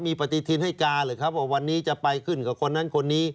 มีปฏิทินให้การหรือครับว่าวันนี้จะไปขึ้นกับคนนั้นคนนี้